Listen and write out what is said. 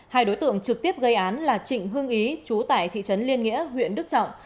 hai đối tượng trực tiếp gây án là trịnh hương ý chú tại thị trấn liên nghĩa huyện đức trọng